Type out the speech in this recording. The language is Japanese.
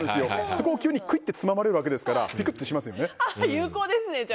そこを急にクイッてつままれるわけですから有効ですね。